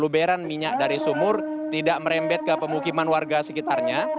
luberan minyak dari sumur tidak merembet ke pemukiman warga sekitarnya